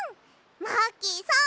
マーキーさん